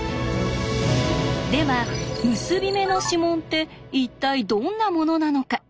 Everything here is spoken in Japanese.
では結び目の指紋って一体どんなものなのか？